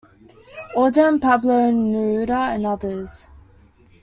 Auden, Pablo Neruda and others.